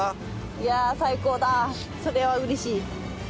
いや最高だそれはうれしい。